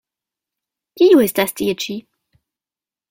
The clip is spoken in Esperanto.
Kiu estas tie ĉi?